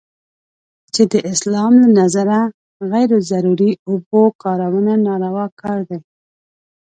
چې د اسلام له نظره غیر ضروري اوبو کارونه ناروا کار دی.